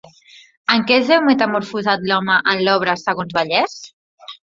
En què es veu metamorfosat l'home en l'obra segons Vallès?